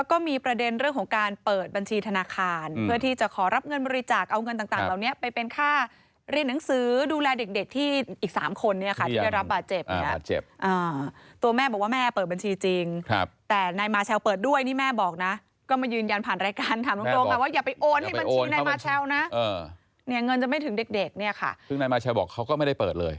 คือมาแชลบอกว่าเขาก็ไม่ได้เปิดเลย